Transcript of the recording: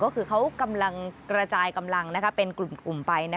ก็คือเขากำลังกระจายกำลังเป็นกลุ่มไป